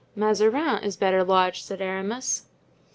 "Mazarin is better lodged," said Aramis.